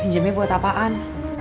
minjemnya buat apaan